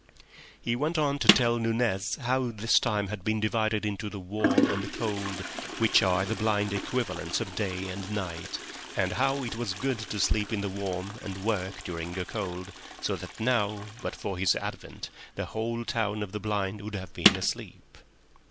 He went on to tell Nunez how this time had been divided into the warm and the cold, which are the blind equivalents of day and night, and how it was good to sleep in the warm and work during the cold, so that now, but for his advent, the whole town of the blind would have been asleep.